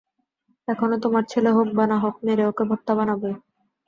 এখন ও তোমার ছেলে হোক বা না হোক, মেরে ওকে ভর্তা বানাবোই!